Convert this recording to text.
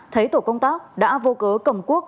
thấy tổ công tác đã vô cớ cầm quốc